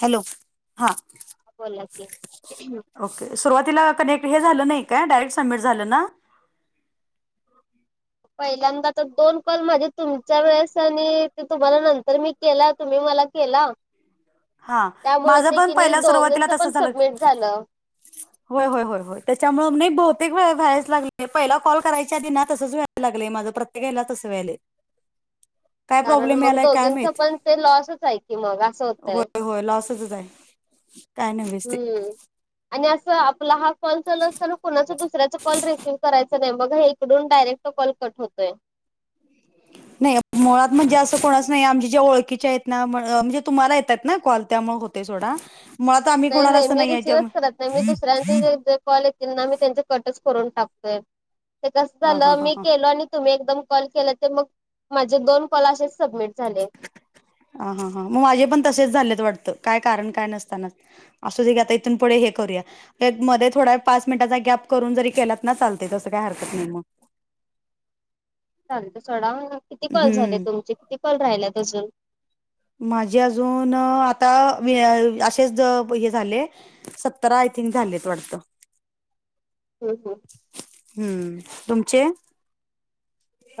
Hello हा बोल की, अ हं ओके सुरुवातीला कनेक्ट हे झालं नाही काय डायरेक्ट सबमिट झालं ना पहिल्यांदा तर आता दोन कॉल माझे तुमच्या वेळेस आणि ते तुम्हाला नंतर मी केला तुम्ही मला केला. हां त्यामुळं माझं ते पण किनी पहिला सुरुवातीला दोघींच पण सबमिट झालं. व्हय व्हय व्हय व्हय त्याच्यामुळे बहुतेक वेळ व्हायच लागलं, पहिला कॉल करायच्या दिना ते तसंच व्हाय व्हाय लागले माझ प्रत्येक हेला तंस व्हालंय, काय कारण प्रॉब्लेम मग यालाय काय दोघींच माहित. पण ते लॉसच आहे की, मग असं होतय. होय होय लॉसचच हाय. हम्म! आणि असं आपला हा कॉल चालू असताना कोणाचा दुसऱ्याचा कॉल, रिसीव्ह करायचा नाही मग हे तीकडूंन डायरेक्ट कॉल कंट होतोय. नाहीं मुळांत म्हणजे असं कोणचं नाहीं आमच्या जे जं ओळींच्या आहेतं नां मनं म्हणजे तुम्हांला येतांत नां कॉल त्यामुळें होतं. ते सोंडा मुळांत आम्हीं नाही कुणांला नाही असं मी नाहीयं रिसीव्हच त्यांम करत नाही मी दुसऱ्यांचे जे जे कॉल येतील नांमी त्यांनच कटचं करूंन टाकतोय ते कसं हां हां झालं हां मी हां केलं आंनी तुम्हीं एकदंम कॉल केलां की मंग माझे दोन कॉल असेच सबमिट झाले. अं हः हां मंग माझे पणं तसेच झालेत वाटतं कायं कारणं कायं नसतांना. अंसू घ्यां आंता इथूंन पुढे हे करूंया. एक मध्यें थोडां पांच मिनिटांचा गॅप करूंन जरी केलांत नां चालते तसं कांहीं हरकत नाहीं मंग चालतंय सोंडा किती कॉल झाले हम्म तुमचे किती कॉल राहिलेत अजूंन मांझे अजूंन नं आंता वे असेच हे झाले सत्तरा आंय थिंक झालेत वाटतं हम्मं हम्मं हम्मं तुमचे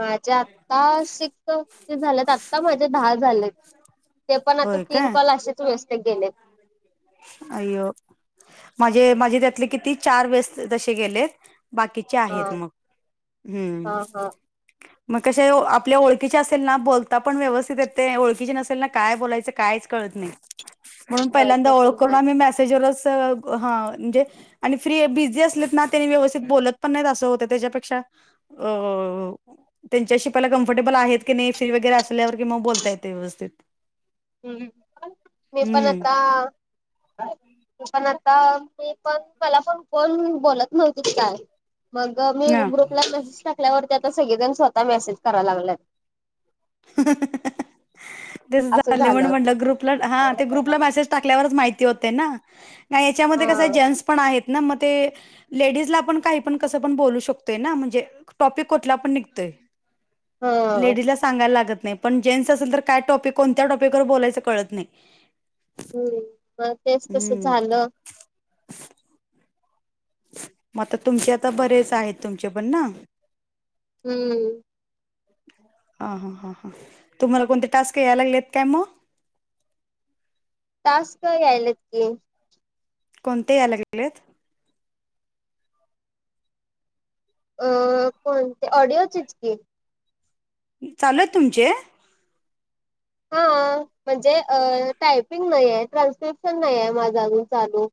माझ्यां आंताशिक किती झालेत आंत्ता माझ्या दहा झाले ते पणं आंता होय तीनं काय कॉल असेच व्यस्तं गेलेत अनं माझे माझे त्यांतले किती चार वेस्ट तसेंच गेलेत बांकी- चे हा आहेतं मंग हम्मं हा हा. मंग कसे आपल्या ओळखीचे असेल नां बोलतां पणं व्यवस्थित येते ओळखीचे नसेल नां कायं बोलायचं कायचं कळतं नाहीं म्हणूंन होय ते पहिल्यांदा ओळखूंन पण करूंन हाय आम्हीं मेसेज वरचं हां म्हणजे आणि फ्री बिझी असलेत नां त्यांनी व्यवस्थित बोलतं पणं नाहीत असं होतं त्यांच्यापेक्षा अं अं अं त्यांच्याशी पहिल कम्फर्टेबल आहेतं की नाहीं फ्री वगैरें असल्यांवर कि मंग बोलतां येते व्यवस्थित हम्मं मी पणं हम्म आंता ते पणं आंता मी पणं मलां पणं कोणं बोलतं म्हणूंन नव्हती कायं मंग मी ग्रुपलां मेसेज टाकल्यांवरती आंता सगळेजण स्वंतः मेसेज करायंला लागलेत हं ते असं झाले म्हणूंन झालं. म्हटलं ग्रुपलां हा हां ते ग्रुपलां मेसेज टाकल्यांवरच माहिती होते नां नांय यांच्यामध्ये कसं जेटन्स पणं आहेत नां मंग ते लेडीजला आपणं कांहीं पणं कसं बोलूं शकतोय नां म्हणजे टॉपिक कुंठला पणं निघतोय हा लेडीजलां सांगायला लागतं नाहीं पणं जेंट्स असेल तरं कायं टॉपिक कोणत्यां टॉपिकवर बोलायचं कळतं नाहीं हम्मं मंग तेचं कसं हम्म झालं मंग आंता तुमचे आंता बरेचं आहेतं तुमचे पणं नां हम्मं हां हां हां हां तुम्हांला कोणते टास्कं यायंला लागलेत कायं मंग टांस्क यायंलेत की कोणते यांयला लागलेत अ कोणते ऑडिओचेच की चालूं आहेतं तुमचे हां म्हणजे अं टायपिंग नाहीं आहे ट्रान्स्क्रिप्शन नाहीं आहे मांझा अजूंन चालूं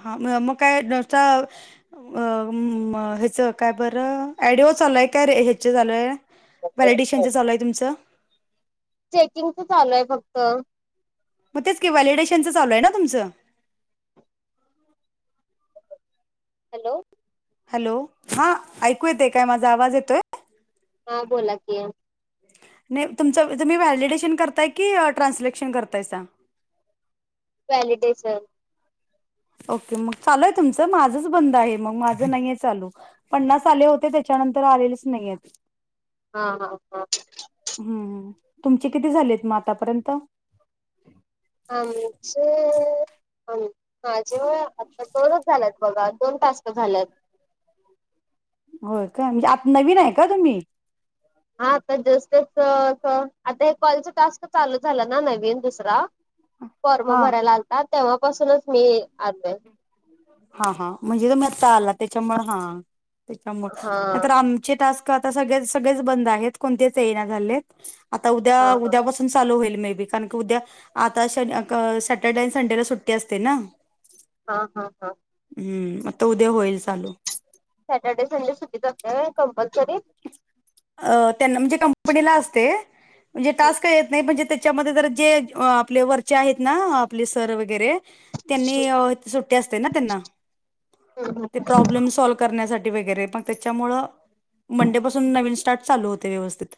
हां मं मंग कायं अं मं ह्यांचं कायं बरं ऑडिओ चालूं आहे कायं रं ह्यांच चालूंय व्हॅलिडिशनचं चालूं आहे तुमचं चेकिंगच चालूं आहे फक्तं मंग तेचं की व्हेलिडेशन चालूं आहे नां तुमचं हॅलो. हॅलो हा ऐकू येतयं काय माझा आवाज येतोय. हां बोला की नाही तुमचं तुम्ही व्हॅलिडेशन करताय की ट्रान्सलेक्शन करतायसा व्हॅलीडेशन. ओके मग चालू आहे तुमचं माझंच बंद आहे मग माझं नाहीये चालू पन्नास आले होते त्याच्यानंतर आलेलेच नाही येत. हा हा हा हम्म तुमची किती झालेत मग आतापर्यंत आमचे आम माझे होय आता दोनच झाल्यात बघा दोन टास्क झाल्यात होय काय म्हणजे आत नवीन हाय का तुम्ही हा आता जस्टच आता हे कॉलच टास्क चालू झाला ना नवीन दुसरा फॉर्म हा भरायला आलता तेव्हापासूनच मी [unintelligible] हा हा म्हणजे तुम्ही आता आला त्याच्यामुळ हा त्याच्यामूळ हा नाही तर आमचे टास्क तर आता सगळेच सगळेच बंद आहेत कोणतेच येईना झालेत आता हा उद्या हा उद्या पासून चालू होईल मे बी कारण की उद्या आता सॅटर्डे आणि संडेला सुट्टी असते ना हा हा हा हम्म आता उद्या होईल चालू. सॅटर्डे संडे सुट्टीच असत्या होय कंपल्सरी. अ त्यांना म्हणजे कंपनीला असते म्हणजे टास्क येत नाही म्हणजे ते त्याच्यामध्ये जरा जे आपले वरचे आहेत ना आपले सर वगैरे त्यांनी अ सुट्टी असते ना त्यांना हम्म ते प्रॉब्लेम सॉ करण्यासाठी वगैरे मग त्याच्यामूळ मंडे पासून नवीन स्टार्ट चालू होतय व्यवस्थित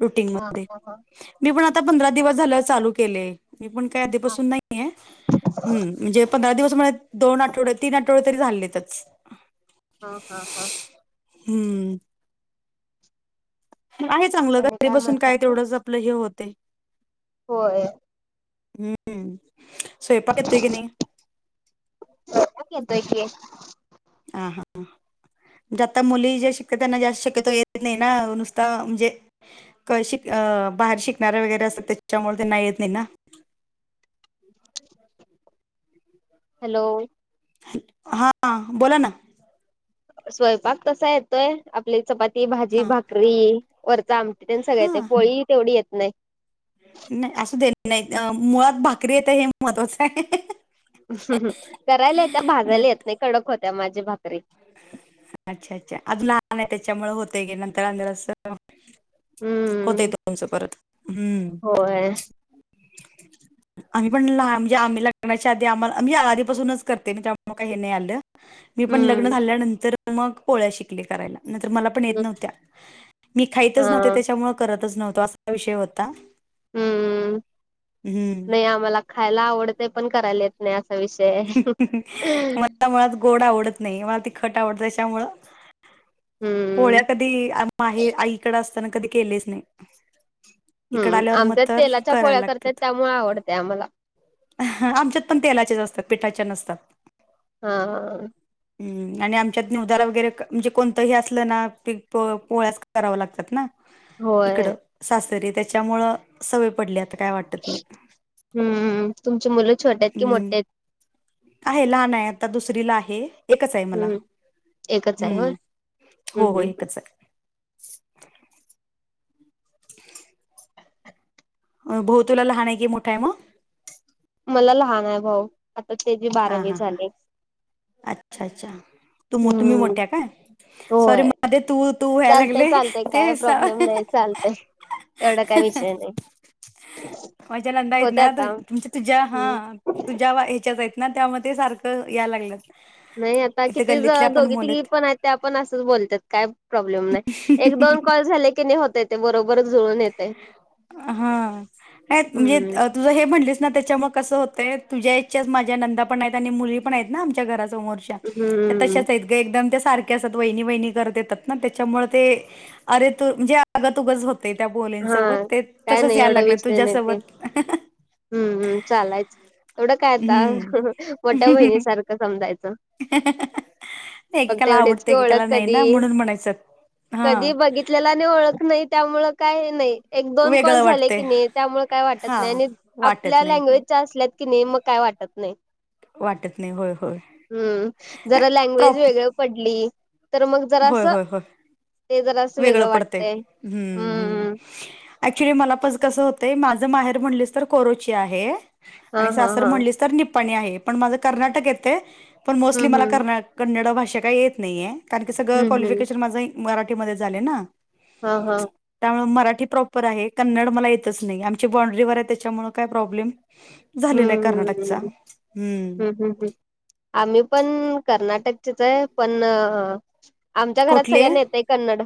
रुटीन हा मग ते हा हा मी पण आता पंधरा दिवस झाल चालू केलय. मी पण काय हा आधीपासून नाहीये हम्म म्हणजे पंधरा दिवस म दोन आठवडे तीन आठवडे तरी झालेतच. हा हा हा हम्म आहे चांगलं आणि घरी बसून म्हणता काय मग? तेवढंच आपलं हे होतय. होय हम्म हम्म स्वयंपाक येतोय की नाही? स्वयंपाक येतोय की. हा हा ह म्हणजे आता मुली जे शिकत त्यांना जास्त शक्यतो येत नाही ना नुसता म्हणजे क शिक बाहेर शिकणारे वगैरे असत त्याच्यामुळे त्यांना येत नाही ना [unintelligible] [unintelligible] हॅलो हा बोला ना स्वयंपाक कसा येतोय आपली चपाती, भाजी, हा भाकरी वरच आमटी तेन सगळ येतय हां पोळी तेवढी येत नाही. नाही असू दे नाही येत मुळात भाकरी येत हे महत्त्वाचं आहे. हम्म करायला येत्या भाजायला येत म्हणत नाही कडक होत्या माझी भाकरी. अच्छा अच्छा अजून [unintelligible] लहान आहे त्याच्या मूळे होतंय गे नंतर अस जरा होतोय हम्म [unintelligible] तुमचं परत हम्म. होय [inaudible] आम्ही पण लाहान म्हणजे आम्ही लग्न च्या आधी आम्हाला आम्ही आपासूनच करते त्यामुळे हे काय नाही आलं. मी पण लग हम्म इतर मग पोळ्या शिकले करायला नंतर मला पण येत हम्म नव्हत्या मी हा खायतच नव्हते त्याच्यामुळे करतच नव्हतो असा विषय होता. हम्म हम्म. नाही आम्हाला खायला आवडत पण करायला येत. नाही असा विषय आहे. मला मुळात गोड आवडत नाही मला तीखट आवडत त्याच्यामुळ हम्म पोळ्या कधी आई माहे आईकडे असताना कधी केलेच नाहीत. हम्म आमच्यात तेलाच्या पोळ्या करतात त्यामुळे आवडते आम्हाला. हा आमच्यात पण तेलाचेच असतात पिठाच्या नसतात. हाहा. हम् आणि आमच्यात निवदाला वगैरे म्हणजे कोणतंही असलं ना प पोळ्याच कराव लागतात ना. इकड होय सासरी त्याच्यामुळ सवय पडली आता काय वाटत. नाही. हम्म तुमचे मुलं छोटे आहेत कि हम्म मोठे आहेत? आहे लहान आहे आता दुसरीला आहे. एकच आहे मला हम्म एकच आहे होय हम्म हम्म हो हो हम्म एकच आहे. भाऊ तुला लहान आहे की मोठा आहे मग? मला लहान आहे भाऊ आता ते जी हा बारावी हा हा. चालु आहे. अच्छा अच्छा तु तुम्ही हम्म मोठ्या काय सॉरी होय मध्ये तू. तू व्हायला चालतय लागले चालतय काय ते स प्रॉब्लेम नाही चालतय एवढा काय विषय नाही माझ्या नंदा आहेत होते ना म्हं आता तुमच्या तुझ्या हा. हम्म तू ज्या ह्याच्याच आहेत ना त्यामध्ये सारखं या लागल्यात. नाही आता इथे कितीच गल्लीतल्या पण दोघी मुल तिघी पण आहेत ते आपण असंच बोलतात काय प्रॉब्लेम नाही एक दोन कॉल झाले की नाही होत ते बरोबरच जुळून येते हा नाही म्हणजे हम्म. तुझं हे म्हटलीस ना त्याच्यामुळे कसं होतंय तुझ्या इ्छ्याच माझ्या नंदा पण आहेत आणि मुली पण आहेत ना आमच्या घरा समोरची हम्म तशाच आहेत ग एकदम त्या सारख्या असतात वहिनी वहिणी करत येतात ना त्याच्यामुळे ते अरे तू म्हणजे आग तूग च होत. ते त्या हा बोलींसोबत ते काय तसच नाही यायला एवढा लागलं विषय नाही ते तुझ्यासोबत. हम्म हम् चालायच. एवढं काय आता हम्म मोठ्या बहिणीसारखं समजायचं. फक्त एकेकाला एवढीच की आवडते ओळख एकेकाला नाही कधी ना म्हणून म्हणायचं हा कधी बघित आपल्याला नाही ओळख नाही त्यामुळ काय नाही. एक दोन कॉल वेगळं झाले वाटतंय की नाही त्यामुळे काय वाटत हा नाही आणि वाटत आपल्या नाही लँग्वेजच्या असल्या नेमका काय वाटत नाही वाटत नाही होय होय हम जरा लँग्वेज प्रॉप वेगळं पडली तर मग जरा होय असं होय होय ते जरा असं वेगळं वाटतंय. हम ऍक्च्युली मला पण कस होत. ते माझं माहेर म्हणलीस तर कोरोची आहे हा आणि हा सासर हा म्हणलीस तर निपाणी आहे. पण माझं कर्नाटक येतय पण मोस्टली हम्म मला हम्म कर्नाड कन्नड भाषा काही येत नाहीय. सगळं हम्म हम्म क्वालिफिकेशन माझं मराठीमध्ये झाले ना. हा हा. त्यामुळे मराठी प्रॉपर आहे कन्नड मला येतच नाही आमची बांड्रीवर आहे त्याच्यामुळे काय प्रॉब्लेम झालेला आहे हम्म हम्म हम्म कर्नाटकचा हूं! [unintelligible] आम्ही पण कर्नाटकचेच आहे, पण आ आमच्या घरात कुठले सगळ्यांना येत ते कन्नड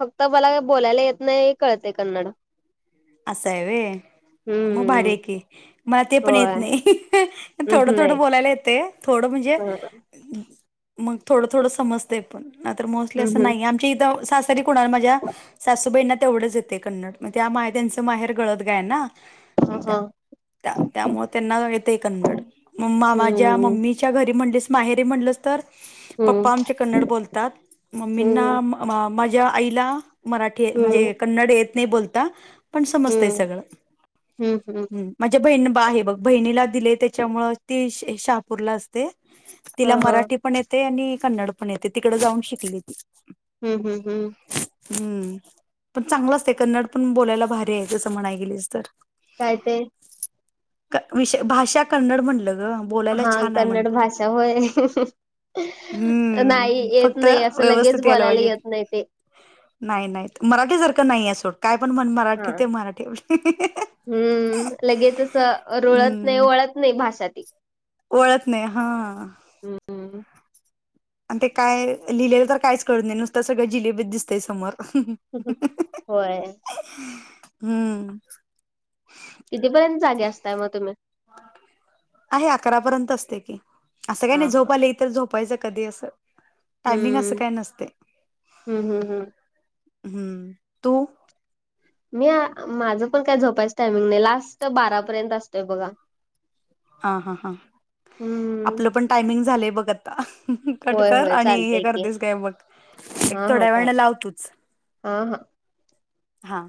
फक्त मला बोलायला येत नाही, कळतय कन्नड. असं आहे व्हयं म हम्म भारीहेकी मला ते पण येत होय नाही थोडं, हम्म थोडं नाही बोलायला येतय, थोडं म्हणजे हं, मग थोड, थोडं समजतय. पन यातर मोस्ली हम्म असं हम्म नाही आम चीं त सासरी कुणाला माझ्या सासूबाईंना तेवढं च येतय कन्नड म त्यां माह त्यांचं माहेर गळत गाय ना हा हा त्या-त्यामुळ त्यांना येतय कन्नड ममा, माझ्या हम्म मम्मी च्या घरी म्हणलीस, माहेरी म्हणलंस तर. हम्म पप्पा आमचे कन्नड बोलतात, मम्मींना हम्म मा-माझ्या आईला. मराठी हम्म म्हणजे कन्नड येत नाही बोलता पण समजतय हम्म सगळं हम्म हम्म हूं. माझ्या बहिण बा आहे बघ, बहिणीला दिलेय त्याच्यामुळ ती श-शहापूरला असते. हा तिला हा मराठी पण येते आणि कन्नड पण येते तिकड जाऊन शिकली ती. हूं हूं हूं! हूं पण चांगलं असतंय कन्नड पण बोलायला भारी आहे जसं म्हणाय गेलीस तर. काय ते? क विषय भाषा कन्नड म्हनलं ग. बोलायला हा छान आहे कन्नड म्हटलं भाषा होय. नाही हम्म. येत फक्त नाही, असं लगेच व्यवस्थित यायला बोलायला पाहिजेत. येत नाही ते. नाही, नाहीत मराठी सारखं नाहीये सोड काय पण म्हण मराठी ते मराठी. हूं लगेचच रुळत नाही, वळत नाही भाषा ती. वळत नाही हा. [inaudible] आणि ते काय लिहिलेलं तर कायच कळत नाही, नुसतं सगळं जिलेबी दिसतय समोर. होय! हूं! कितीपर्यंत जागे असताय मग तुम्ही. आहे अकरा पर्यंत असते की, असं काय हा नाही हा झोप आली तर झोपायचं कधी अस टायमिंग अस हम्म काही नसतय. हम्म हम्म हम्म हूं तू? मी आ माझं पण काय झोपायच टायमिंग नाही, लास्ट बारापर्यंत असतोय बघा. हा हा हा हम्म आपलं पण टायमिंग झालं बघ आत कट होय कर होय आणि हे चालतय की करतेस काय बघ. एक हा हा थोड्या चाल वेळाने लाव तुच हा हा हा!